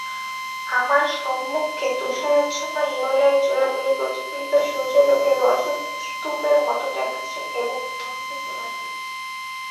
আমার সম্মুখে তুষারাচ্ছন্ন হিমালয়ের চূড়াগুলি প্রতিফলিত সূর্যালোকে রজতস্তূপের মত দেখাচ্ছে এবং আনন্দ প্রদান করছে।